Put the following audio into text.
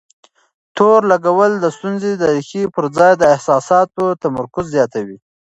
تور لګول د ستونزې د ريښې پر ځای د احساساتو تمرکز زياتوي.